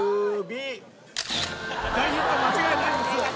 大ヒット間違いないです！